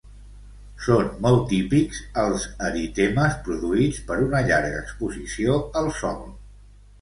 Són molt típics els eritemes produïts per una llarga exposició al sol.